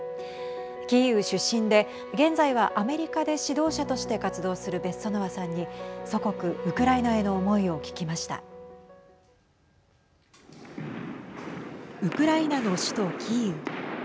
キーウ出身で現在はアメリカで指導者として活動するベッソノワさんに祖国ウクライナへの思いをウクライナの首都キーウ。